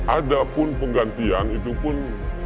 ada pun penggantian itu pun